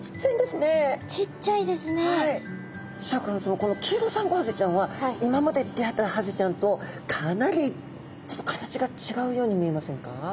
このキイロサンゴハゼちゃんは今まで出会ったハゼちゃんとかなりちょっと形が違うように見えませんか？